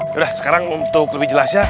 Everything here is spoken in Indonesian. sudah sekarang untuk lebih jelasnya